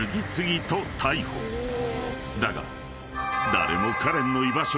［だが］